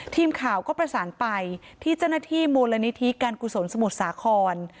ทีมข่าวก็ประสานไปที่เจ้าหน้าที่มูลนิธิการกุศลสมุทรสาคร